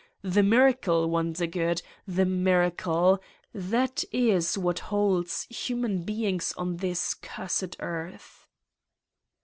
The miracle, Wondergood, the miracle that is what holds human beings on this cursed earth!"